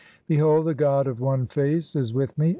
"Behold, the god of One Face (10) is with me.